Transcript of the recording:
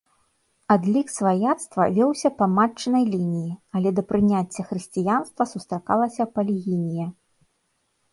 Адлік сваяцтва вёўся па матчынай лініі, але да прыняцця хрысціянства сустракалася палігінія.